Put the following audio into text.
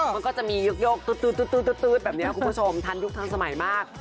มันก็จะมียกแบบนี้ครับคุณผู้ชมทันยุคทั้งสมัยมาก